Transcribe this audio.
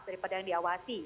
daripada yang diawasi